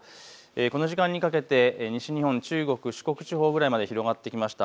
この時間にかけて西日本、中国、四国地方ぐらいまで広がってきました。